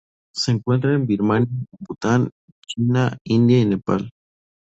Se encuentra en Birmania, Bután, China, India y Nepal.